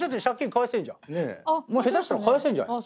下手したら返せんじゃねえ？